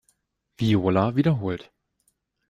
Viola wiederholt.